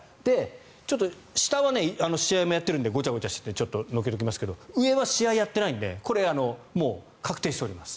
下は試合をやってるのでごちゃごちゃしてるのでちょっとのけておきますが上は試合をやっていないのでこれは確定しております。